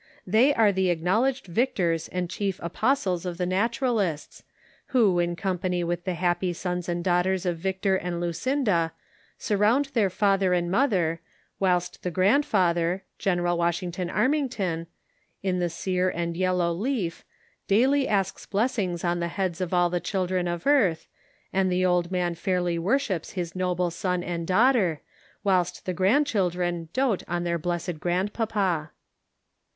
They are the acknowledged victors and chief apostles of the Naturalists, who, in company with the happy sons and daughters of Victor and Lueinda, surround their father and mother, whilst the grandfather — General Washington Armington — in the sere and yellow leaf, daily asks blessings on the 398 THE SOCIAL WAR OF 1900 ; OR, heads of all the children of earth, and the old man fairly worships his noble son and daughter, whilst the grandchil dren dote on their blessed grandpapa.